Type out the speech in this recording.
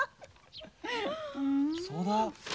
そうだ。